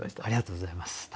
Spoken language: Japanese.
ありがとうございます。